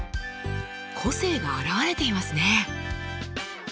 個性があらわれていますね。